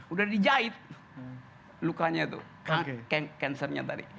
udah dijahit lukanya itu cancernya tadi